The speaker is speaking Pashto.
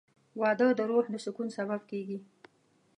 • واده د روح د سکون سبب کېږي.